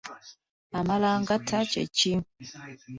Amalangata kye ki?